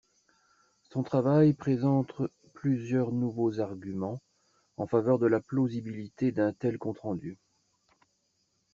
Son travail présente plusieurs nouveaux arguments en faveur de la plausibilité d'un tel compte-rendu.